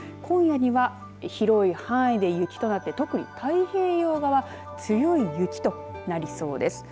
今夜には広い範囲で雪となって、特に太平洋側強い雪となりそうです。